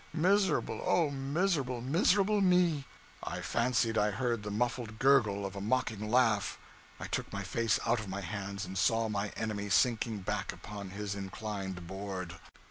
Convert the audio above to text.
miserable, oh, miserable, miserable me!' I fancied I heard the muffled gurgle of a mocking laugh. I took my face out of my hands, and saw my enemy sinking back upon his inclined board.